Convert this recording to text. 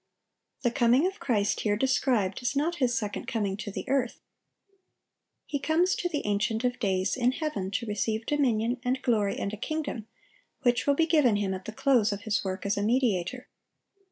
(837) The coming of Christ here described is not His second coming to the earth. He comes to the Ancient of days in heaven to receive dominion, and glory, and a kingdom, which will be given Him at the close of His work as a mediator.